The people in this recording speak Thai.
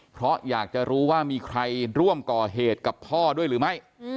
เพราะอยากจะรู้ว่ามีใครร่วมก่อเหตุกับพ่อด้วยหรือไม่